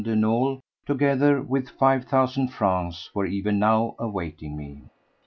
de Nolé, together with five thousand francs, were even now awaiting me.